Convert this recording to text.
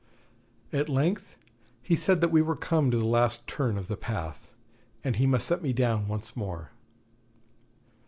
At length he said that we were come to the last turn of the path, and he must set me down once more.